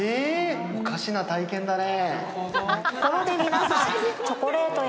おかしな体験だね。